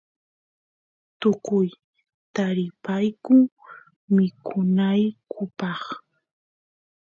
tukuy taripayku mikunaykupaq